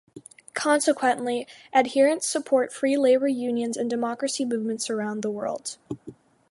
Consequently, adherents support free labor unions and democracy movements around the world.